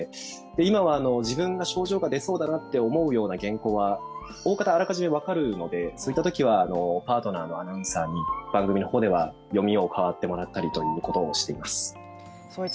今は自分が症状が出そうだなという思うような原稿はおおかた、あらかじめ分かるのでそういったときはパートナーのアナウンサーに番組の方では読みを代わってもらったりということをしています。